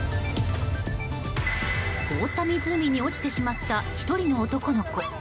凍った湖に落ちてしまった１人の男の子。